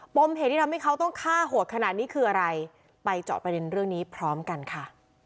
มเหตุที่ทำให้เขาต้องฆ่าโหดขนาดนี้คืออะไรไปเจาะประเด็นเรื่องนี้พร้อมกันค่ะ